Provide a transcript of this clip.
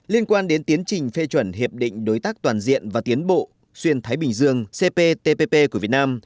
liên quan đến tiến trình phê chuẩn hiệp định đối tác toàn diện và tiến bộ xuyên thái bình dương cptpp của việt nam